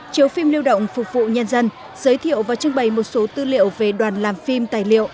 chiếu phim lưu động phục vụ nhân dân giới thiệu và trưng bày một số tư liệu về đoàn làm phim tài liệu